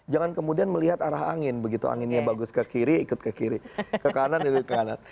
jangan kemudian melihat arah angin begitu anginnya bagus ke kiri ikut ke kiri ke kanan ikut ke kanan